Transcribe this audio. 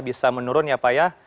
bisa menurun ya pak ya